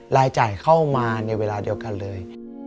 รายจ่ายเข้ามาในเวลาเดียวกันเลย